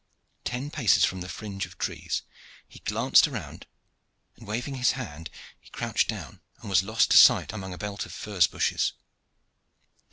Ten paces from the fringe of trees he glanced around, and waving his hand he crouched down, and was lost to sight among a belt of furze bushes.